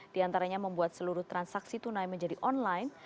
diantaranya membuat seluruh transaksi tunai menjadi online